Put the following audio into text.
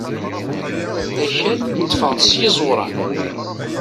Akal ṭṭfeɣ-t s yiẓuran.